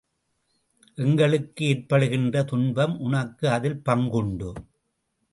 எங்களுக்கு ஏற்படுகின்ற துன்பம் உனக்கு அதில் பங்கு உண்டு.